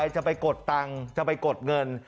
จะไปกดตังค์จะไปกดเงิน